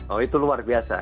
oh itu luar biasa